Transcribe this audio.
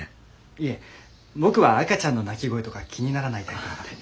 いえ僕は赤ちゃんの泣き声とか気にならないタイプなんで。